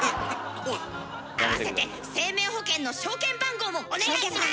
あわせて生命保険の証券番号もお願いします！